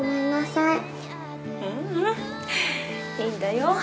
いいんだよ。